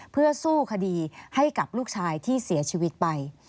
เพื่อสู้คดีให้กับลูกชายที่เสียชีวิตไป